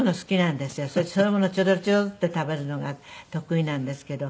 そういうものちょろちょろって食べるのが得意なんですけど。